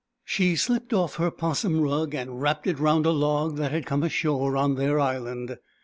She sHpped off her 'possum rug and wrapped it round a log that had come ashore on their island.